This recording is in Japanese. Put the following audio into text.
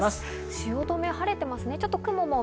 汐留は晴れてますね。